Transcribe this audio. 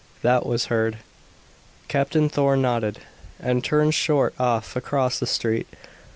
That was heard. Captain Thorn nodded, and turned short off across the street.